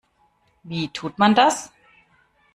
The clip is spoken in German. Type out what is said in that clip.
Wie tut man das?